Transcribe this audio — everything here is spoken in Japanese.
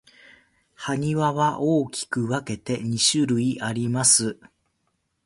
埴輪は大きく分けて二種類あります。